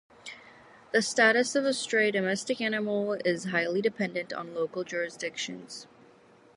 The status of a stray domestic animal is highly dependent on local jurisdictions.